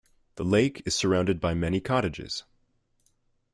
The lake is surrounded by many cottages.